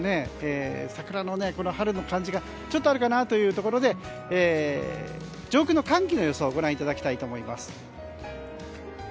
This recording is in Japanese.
桜のね、春の感じがちょっとあるかなというところで上空の寒気の様子ご覧いただきたいと思います。